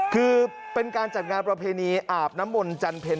คือเป็นการจัดงานประเพณีอาบน้ำมนต์จันเพ็ญ